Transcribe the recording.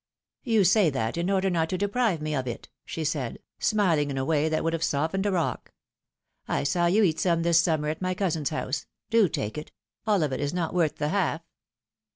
You say that in order not to deprive me of it," she said, smiling in a way that would have softened a rock. I saw you eat some this summer at my cousin's house ; do take it : all of it is not worth the half!"